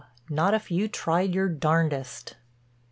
Not if you tried your darndest."